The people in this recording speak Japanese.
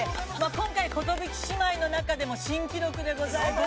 今回寿姉妹の中でも、新記録でございます。